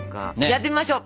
やってみましょう！